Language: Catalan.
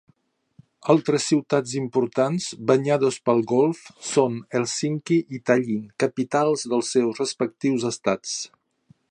Altres ciutats importants banyades pel golf són Hèlsinki i Tallinn, capitals dels seus respectius estats.